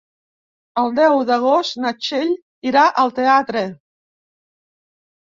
El deu d'agost na Txell irà al teatre.